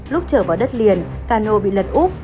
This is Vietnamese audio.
lúc trở vào đất liền cano bị lật úp